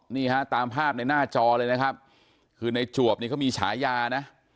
นี่ฮะตามภาพในหน้าจอเลยนะครับคือในจวบเนี่ยเขามีฉายานะ